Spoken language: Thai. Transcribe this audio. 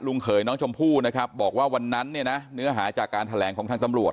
เขยน้องชมพู่นะครับบอกว่าวันนั้นเนี่ยนะเนื้อหาจากการแถลงของทางตำรวจ